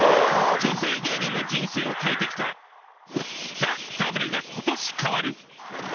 女性芸人の人生を変えてきた、ＴＨＥＷがことし変わる。